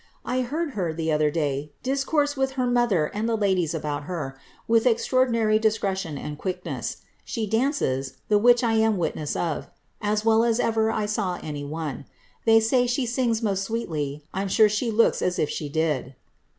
I heard her, the other <iay, discourse with her mother and the ladies about her, with extra ordinary discretion and quickness. She dances — the which 1 am wit ness of — as well as ever I saw any one ; they say she sings most 9weetly; I am sure she looks as if she did."'